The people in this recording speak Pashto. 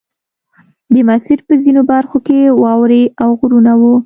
د مسیر په ځینو برخو کې واورې او غرونه وو